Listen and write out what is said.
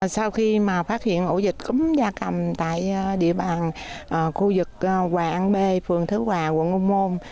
sau khi phát hiện ổ dịch cúm gia cầm tại địa bàn khu vực hoàng b phường thứ hòa quận ô môn